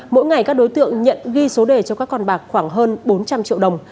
mỗi ngày các đối tượng nhận ghi số đề cho các con bạc khoảng hơn bốn trăm linh triệu đồng